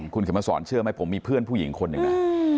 คุณเขียนมาสอนเชื่อไหมผมมีเพื่อนผู้หญิงคนหนึ่งนะ